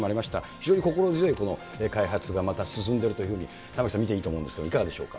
非常に心強い開発がまた進んでいるというふうに、玉城さん、見ていいと思うんですけれども、いかがでしょうか。